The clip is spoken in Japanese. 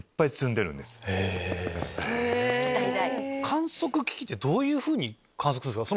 観測機器ってどういうふうに観測するんすか？